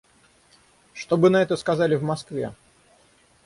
Что бы на это сказали в Москве?